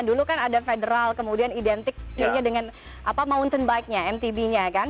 dulu kan ada federal kemudian identik kayaknya dengan mountain bike nya mtb nya kan